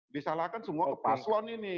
disalahkan semua ke paslon ini